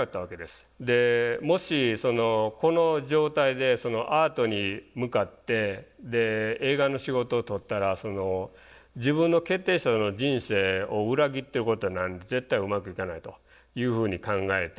もしこの状態でアートに向かって映画の仕事を取ったら自分の決定した人生を裏切ってることになるんで絶対うまくいかないというふうに考えて。